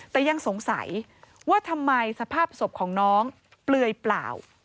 แต่ยังสงสัยว่าทำไมสภาพศพของน้องเปลือยเปล่า